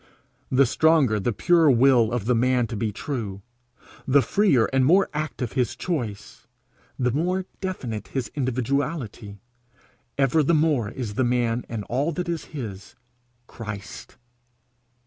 The stronger the pure will of the man to be true; the freer and more active his choice; the more definite his individuality, ever the more is the man and all that is his, Christ's.